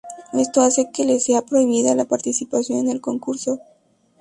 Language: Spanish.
Esto hace que le sea prohibida la participación en el concurso.